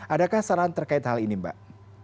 adakah saran terkait hal ini mbak